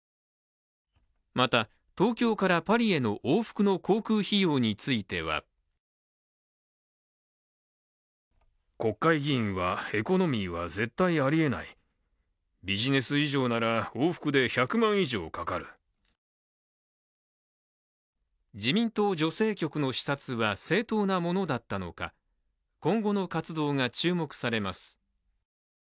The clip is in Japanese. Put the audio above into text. また、東京からパリへの往復の航空費用については自民党女性局の視察は正当なものだったのか、今後の活動が注目されます。